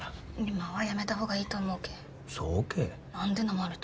今はやめたほうがいいと思うけそうけ何でなまると？